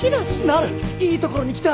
なるいいところに来た！